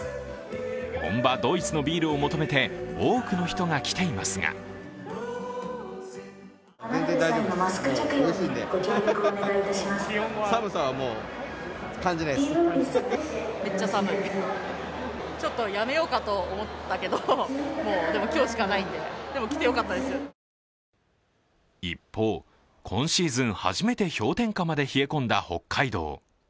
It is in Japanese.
本場ドイツのビールを求めて多くの人が来ていますが一方、今シーズン初めて氷点下まで冷え込んだ北海道。